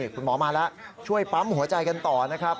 คุณหมอมาแล้วช่วยปั๊มหัวใจกันต่อนะครับ